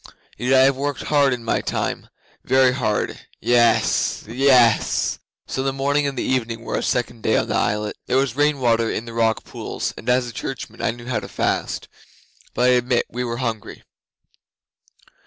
Yet I have worked hard in my time very hard! Yes yess! So the morning and the evening were our second day on that islet. There was rain water in the rock pools, and, as a churchman, I knew how to fast, but I admit we were hungry.